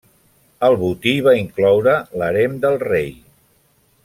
El botí va incloure l'harem del rei.